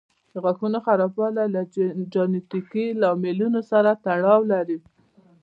د غاښونو خرابوالی له جینيټیکي لاملونو سره هم تړاو لري.